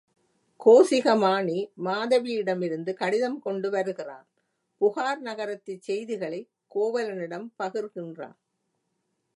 கோசிகமாணி மாதவியிடமிருந்து கடிதம் கொண்டு வருகிறான் புகார் நகரத்துச் செய்திகளைக் கோவலனிடம் பகர்கின்றான்.